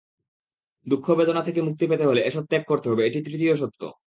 দুঃখ-বেদনা থেকে মুক্তি পেতে হলে এসব ত্যাগ করতে হবে, এটি তৃতীয় সত্য।